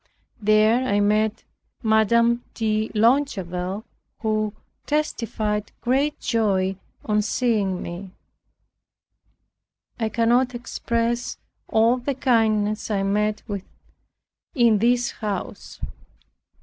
There I met Madame de Longueville, who testified great joy on seeing me. I cannot express all the kindness I met with in this house.